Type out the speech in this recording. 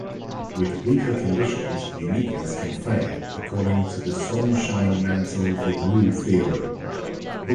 With weaker conditions, uniqueness can fail, according to the Sonnenschein-Mantel-Debreu theorem.